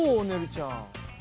ねるちゃん。